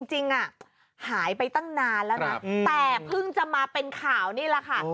จริงหายไปตั้งนานแล้วนะแต่เพิ่งจะมาเป็นข่าวนี่แหละค่ะ